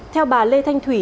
theo bà lê thanh thủy